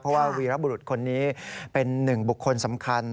เพราะว่าวีรบุรุษคนนี้เป็นหนึ่งบุคคลสำคัญ